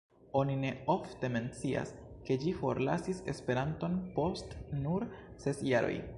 Oni ne ofte mencias, ke ĝi forlasis Esperanton post nur ses jaroj.